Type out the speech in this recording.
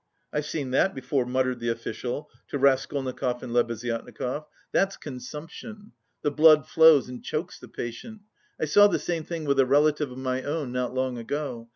"I've seen that before," muttered the official to Raskolnikov and Lebeziatnikov; "that's consumption; the blood flows and chokes the patient. I saw the same thing with a relative of my own not long ago...